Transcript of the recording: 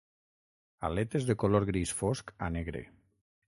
Aletes de color gris fosc a negre.